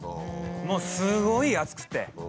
もうすごい熱くて。